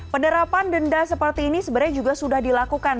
penerapan denda seperti ini sebenarnya juga sudah dilakukan